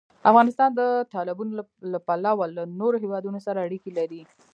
افغانستان د تالابونه له پلوه له نورو هېوادونو سره اړیکې لري.